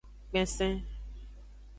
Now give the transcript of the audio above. Kpensen.